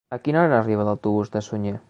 A quina hora arriba l'autobús de Sunyer?